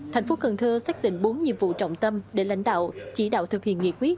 thành phố cần thơ xác định bốn nhiệm vụ trọng tâm để lãnh đạo chỉ đạo thực hiện nghị quyết